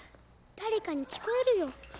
誰かに聞こえるよ。